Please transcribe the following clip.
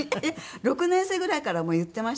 ６年生ぐらいからもう言ってましたから。